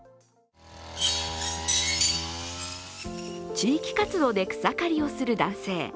地域活動で草刈りをする男性。